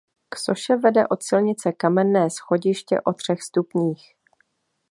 K soše vede od silnice kamenné schodiště o třech stupních.